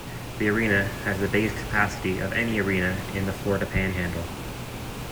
The arena has the biggest capacity of any arena in the Florida Panhandle.